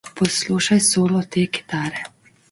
Poslušajte solo te kitare!